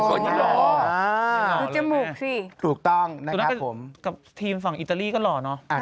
คือจมูกสิถูกต้องนะครับผมกับทีมฝั่งอิตาลีก็หล่อเนอะอ่า